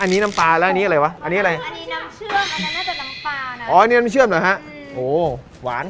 อันนี้น้ำปลาแล้วอันนี้อะไรวะอันนี้อะไรอันนี้น้ำเชื่อมอันนั้น